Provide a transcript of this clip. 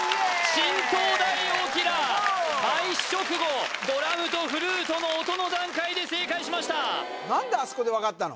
新東大王キラー開始直後ドラムとフルートの音の段階で正解しました何であそこで分かったの？